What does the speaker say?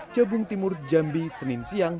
jabung timur jambi senin siang